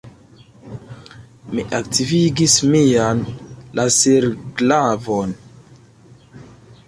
Mi aktivigis mian laserglavon.